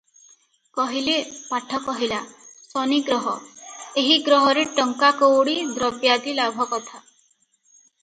କହିଲେ, "ପାଠ କହିଲା, ଶନିଗ୍ରହ- ଏହି ଗ୍ରହରେ ଟଙ୍କା କଉଡ଼ି ଦ୍ରବ୍ୟାଦି ଲାଭକଥା ।"